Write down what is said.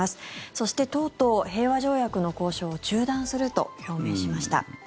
そして、とうとう平和条約の交渉を中断すると表明しました。